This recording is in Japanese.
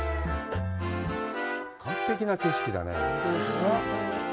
完璧な景色だね。